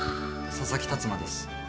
佐々木辰馬です。